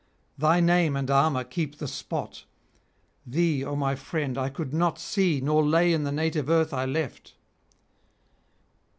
Thy name and armour keep the spot; thee, O my friend, I could not see nor lay in the native earth I left.'